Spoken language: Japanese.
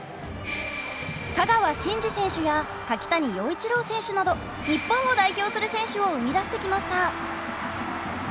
香川真司選手や柿谷曜一朗選手など日本を代表する選手を生み出してきました。